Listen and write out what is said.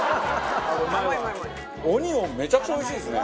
オニオンめちゃくちゃおいしいですね。